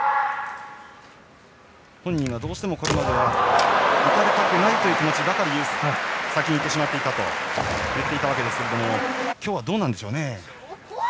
本人はどうしてもこれまで打たれたくない気持ちばかり先にいってしまっていたと言っていたわけですが今日はどうなんでしょうね。